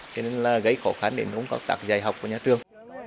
thế nên là gây khổ khán để nó cũng có tạc dạy học của nhà trường